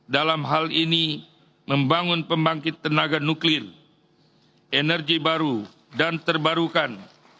dalam hal ini membangun pembangkit tenaga nuklir energi baru dan terbarukan